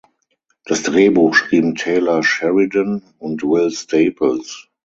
Das Drehbuch schrieben Taylor Sheridan und Will Staples.